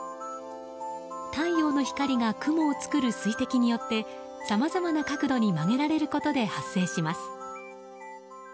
太陽の光が雲を作る水滴によってさまざまな角度に曲げられることで発生します。